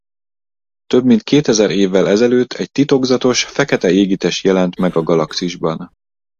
Több mint kétezer évvel ezelőtt egy titokzatos fekete égitest jelent meg a galaxisban.